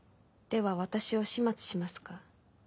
では私を始末しますか？